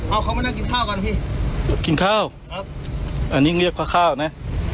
เอาเขามานั่งกินข้าวกันพี่กินข้าวครับอันนี้เรียกข้าวนะ